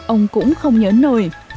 ông cũng không nhớ nổi